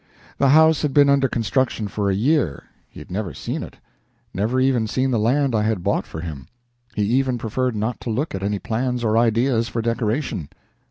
The house had been under construction for a year. He had never seen it never even seen the land I had bought for him. He even preferred not to look at any plans or ideas for decoration.